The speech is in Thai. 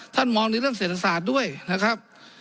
มองในเรื่องเศรษฐศาสตร์ด้วยนะครับ